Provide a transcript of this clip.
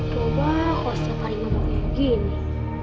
gue kok sepahinginomnya gini